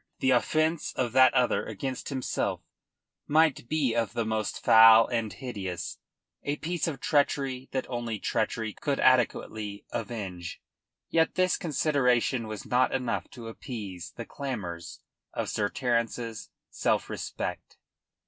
The offence of that other against himself might be of the most foul and hideous, a piece of treachery that only treachery could adequately avenge; yet this consideration was not enough to appease the clamours of Sir Terence's self respect.